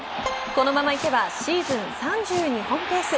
このままいけばシーズン３２本ペース。